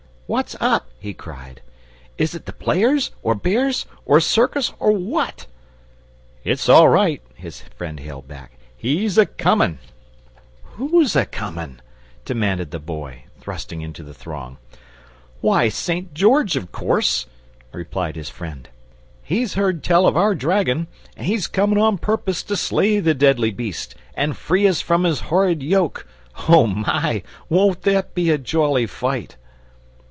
"What's up?" he cried. "Is it the players, or bears, or a circus, or what?" "It's all right," his friend hailed back. "He's a coming." "WHO'S a coming?" demanded the Boy, thrusting into the throng. "Why, St. George, of course," replied his friend. "He's heard tell of our dragon, and he's comin' on purpose to slay the deadly beast, and free us from his horrid yoke. O my! won't there be a jolly fight!"